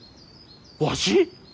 わし？